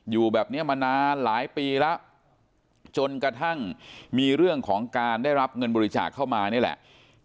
อยู่แบบนี้มานานหลายปีแล้วจนกระทั่งมีเรื่องของการได้รับเงินบริจาคเข้ามานี่แหละ